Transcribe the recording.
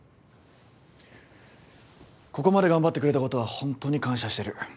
ここまで頑張ってくれたことはほんとに感謝してる。